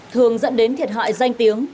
thường dẫn đến thiệt hại danh tiếng